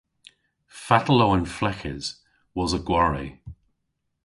Fatel o an fleghes wosa gwari?